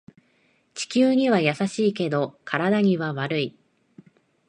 地球には優しいけど体には悪い